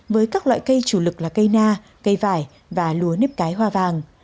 với các loại cây chủ lực là cây na cây vải và lúa nếp cái hoa vàng